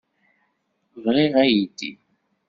Bɣiɣ aydi.